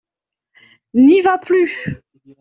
n'y va plus.